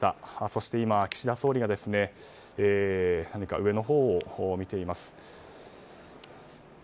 そして今、岸田総理が何か上のほうを見ています。